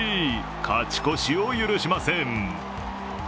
勝ち越しを許しません。